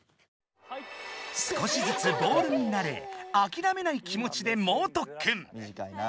少しずつボールに慣れあきらめない気持ちで猛特訓。